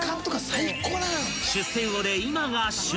［出世魚で今が旬］